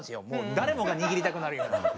だれもがにぎりたくなるような。